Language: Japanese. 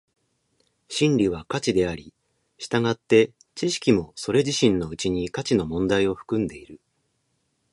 真理は価値であり、従って知識もそれ自身のうちに価値の問題を含んでいる。